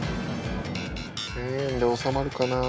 １，０００円で収まるかな。